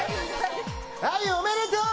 あゆおめでとう！